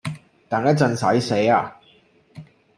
等一陣洗死呀？